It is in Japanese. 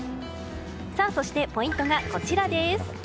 そして、ポイントがこちらです。